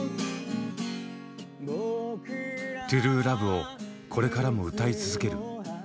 「ＴＲＵＥＬＯＶＥ」をこれからも歌い続ける。